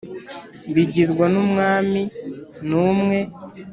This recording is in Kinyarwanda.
bigirwa n umwami n umwe